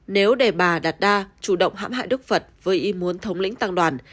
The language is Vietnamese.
nếu để bà đạt đa chủ động hãm hại đức phật với ý muốn thống lĩnh tăng đoàn